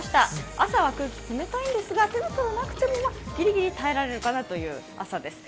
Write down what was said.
朝は空気冷たいんですが手袋なくてもギリギリ耐えられるかなという朝です。